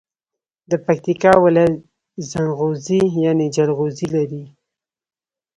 د پکیتکا ولایت زنغوزي یعنی جلغوزي لري.